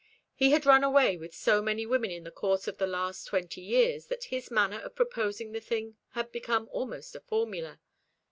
He had run away with so many women in the course of the last twenty years that his manner of proposing the thing had become almost a formula.